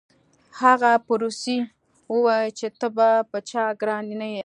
هغه په روسي وویل چې ته په چا ګران نه یې